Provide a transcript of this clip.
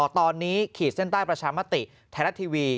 ตอนนี้ขีดเส้นใต้ประชามติไทยรัฐทีวี